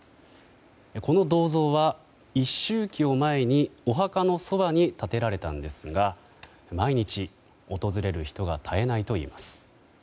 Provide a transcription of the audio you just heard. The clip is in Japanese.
この銅像は、一周忌を前にお墓のそばに建てられたんですが毎日、訪れる人が絶えないといいます。